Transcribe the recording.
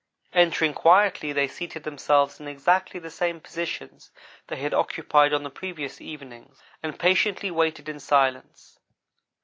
Entering quietly, they seated themselves in exactly the same positions they had occupied on the previous evenings, and patiently waited in silence.